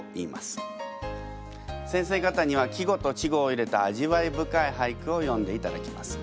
先生方には季語と稚語を入れた味わい深い俳句を詠んでいただきます。